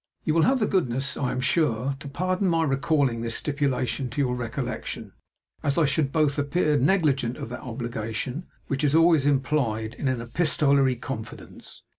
You will have the goodness, I am sure, to pardon my recalling this stipulation to your recollection, as I should be both to appear negligent of that obligation which is always implied in an epistolary confidence.